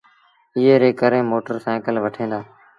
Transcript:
ايئي ري ڪري موٽر سآئيٚڪل وٺيٚن دآ۔